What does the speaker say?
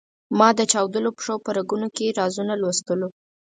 ما د چاودلو پښو په رنګونو کې رازونه لوستلو.